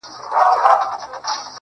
چي خروښیږي له کونړه تر ارغنده تر هلمنده،